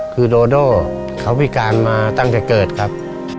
คือโดโด่เขาพิการมาตั้งแต่เกิดครับ